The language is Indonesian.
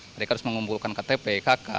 mereka harus mengumpulkan ktp kk